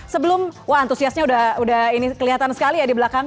sebelum wah antusiasnya udah ini kelihatan sekali ya di belakang